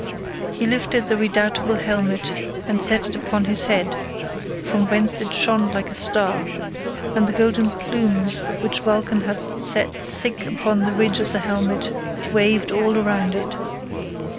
He lifted the redoubtable helmet, and set it upon his head, from whence it shone like a star, and the golden plumes which Vulcan had set thick about the ridge of the helmet, waved all around it.